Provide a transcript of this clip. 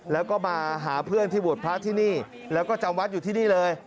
แล้วก็มาหาเพื่อนที่บวชพระที่นี่แล้วก็จำวัดอยู่ที่นี่เลย